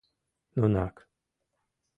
Нунак.